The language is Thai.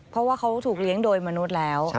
เพราะว่าเขาถูกเลี้ยงโดยมนุษย์แล้ว